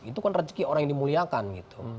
itu kan rezeki orang yang dimuliakan gitu